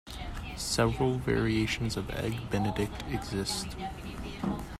Several variations of Eggs Benedict exist.